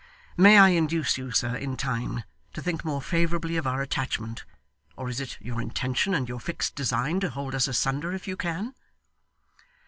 May I induce you, sir, in time, to think more favourably of our attachment, or is it your intention and your fixed design to hold us asunder if you can?